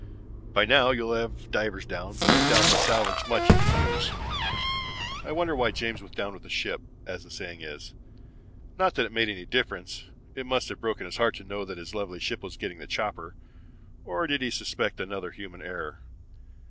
By now you'll have divers down, but I doubt they'll salvage much you can use. "I wonder why James went down with the ship, as the saying is? Not that it made any difference. It must have broken his heart to know that his lovely ship was getting the chopper. Or did he suspect another human error?